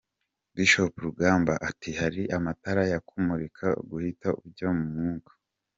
Bishop Rugamba ati 'Hari amatara yakumurika ugahita ujya mu mwuka'.